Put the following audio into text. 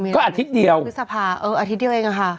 ก็อาทิตย์เดียวอุ้ยอาทิตย์เดียวเองนะคะ